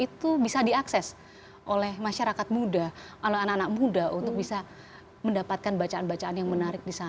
itu bisa diakses oleh masyarakat muda oleh anak anak muda untuk bisa mendapatkan bacaan bacaan yang menarik di sana